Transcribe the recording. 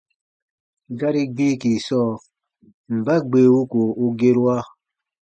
Gari gbiiki sɔɔ: mba gbee wuko u gerua?